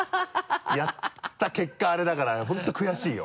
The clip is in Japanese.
やった結果あれだから本当悔しいよ